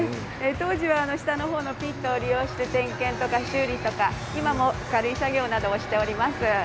当時は下の方のピットを利用して点検とか修理とか今も軽い作業などをしています。